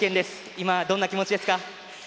今、どんな気持ちですか？